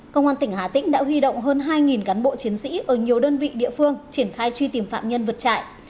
công an tỉnh hà tĩnh đã huy động hơn hai cán bộ chiến sĩ ở nhiều đơn vị địa phương triển khai truy tìm phạm nhân vượt trại